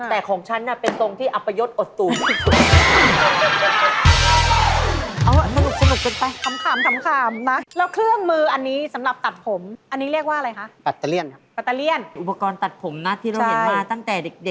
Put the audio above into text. แต่ของฉันเป็นตรงที่อับประโยชน์อดสูง